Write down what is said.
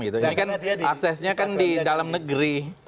ini kan aksesnya kan di dalam negeri